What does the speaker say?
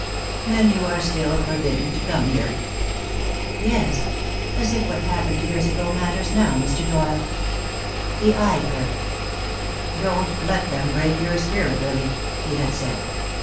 "Then you are still forbidden to come here?" "Yes. As if what happened years ago matters now, Mr. Doyle." He eyed her. "Don't let them break your spirit, Lily," he had said.